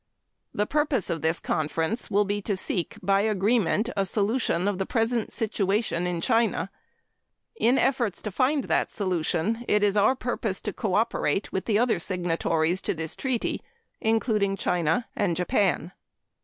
The purpose of this conference will be to seek by agreement a solution of the present situation in China. In efforts to find that solution, it is our purpose to cooperate with the other signatories to this Treaty, including China and Japan.